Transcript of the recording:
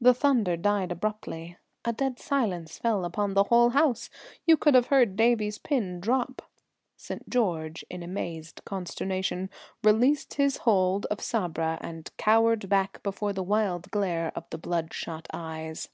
The thunder died abruptly. A dead silence fell upon the whole house you could have heard Davie's pin drop. St. George, in amazed consternation, released his hold of Sabra and cowered back before the wild glare of the bloodshot eyes.